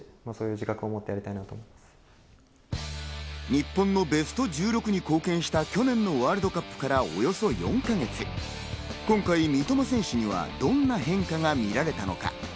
日本のベスト１６に貢献した去年のワールドカップからおよそ４か月、今回、三笘選手にはどんな変化が見られたのか？